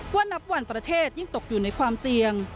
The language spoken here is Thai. นับวันประเทศยิ่งตกอยู่ในความเสี่ยง